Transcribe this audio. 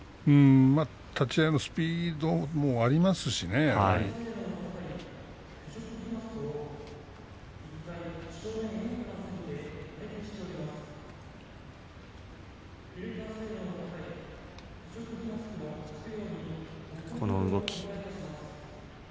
立ち合いのスピードもありますし。両者の動きです。